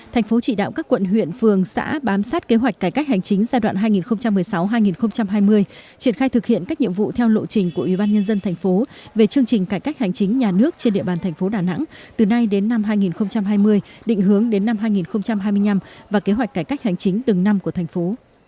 thành phố chỉ đạo các quận huyện phường xã bám sát kế hoạch cải cách hành chính giai đoạn hai nghìn một mươi sáu hai nghìn hai mươi triển khai thực hiện các nhiệm vụ theo lộ trình của ủy ban nhân dân thành phố về chương trình cải cách hành chính nhà nước trên địa bàn thành phố đà nẵng từ nay đến năm hai nghìn hai mươi định hướng đến năm hai nghìn hai mươi năm và kế hoạch cải cách hành chính từng năm của thành phố